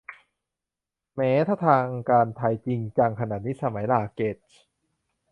แหม ถ้าทางการไทยจริงจังขนาดนี้ สมัย ราเกซ